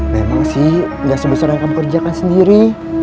memang sih nggak sebesar yang kamu kerjakan sendiri